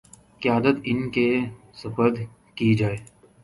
قیادت ان کے سپرد کی جائے